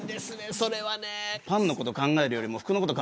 それはね。